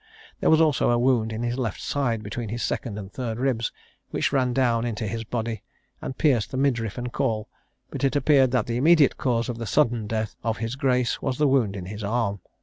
There was also a wound in his left side between his second and third ribs, which ran down into his body, and pierced the midriff and caul: but it appeared that the immediate cause of the sudden death of his grace was the wound in his arm.